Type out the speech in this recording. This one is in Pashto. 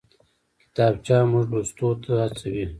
کتابچه موږ لوستو ته هڅوي